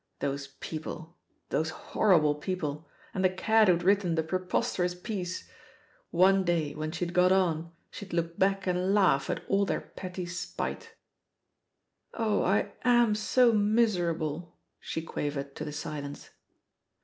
Those people, those horrible people, and the cad who had written the preposterous piece 1 One day, when she had got on, she'd look back and laugh at all their petty spite I *'0h, I am so miserable I" she quavered to the silence.